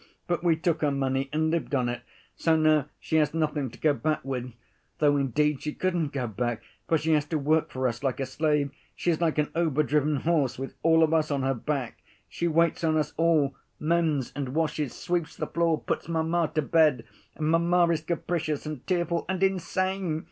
But we took her money and lived on it, so now she has nothing to go back with. Though indeed she couldn't go back, for she has to work for us like a slave. She is like an overdriven horse with all of us on her back. She waits on us all, mends and washes, sweeps the floor, puts mamma to bed. And mamma is capricious and tearful and insane!